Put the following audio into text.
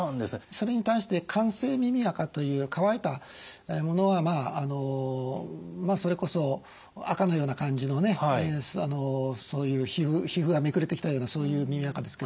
それに対して乾性耳あかという乾いたものはそれこそあかのような感じのそういう皮膚がめくれてきたようなそういう耳あかですけれども。